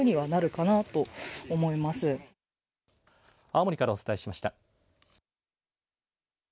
青森からお伝えしました。